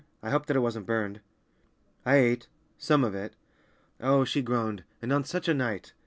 I hope that it wasn't burned." "I ate—some of it!" "Oh," she groaned, "and on such a night!"